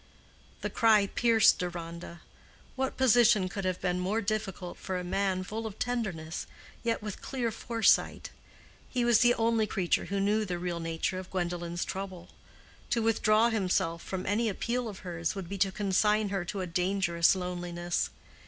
The cry pierced Deronda. What position could have been more difficult for a man full of tenderness, yet with clear foresight? He was the only creature who knew the real nature of Gwendolen's trouble: to withdraw himself from any appeal of hers would be to consign her to a dangerous loneliness.